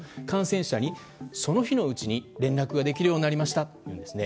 感染者にその日のうちに連絡ができるようになりましたと。